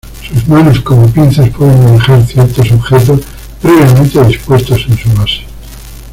Sus manos, como pinzas, pueden manejar ciertos objetos previamente dispuestos en su base.